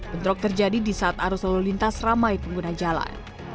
bentrok terjadi di saat arus lalu lintas ramai pengguna jalan